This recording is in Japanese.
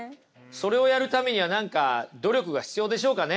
それをやるためには何か努力が必要でしょうかね？